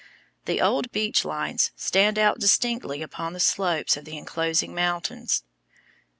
The old beach lines stand out distinctly upon the slopes of the enclosing mountains.